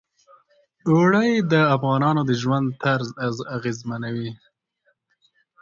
اوړي د افغانانو د ژوند طرز اغېزمنوي.